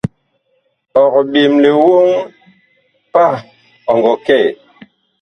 Ɔg ɓemle woŋ pah ɔ ngɔ kɛ?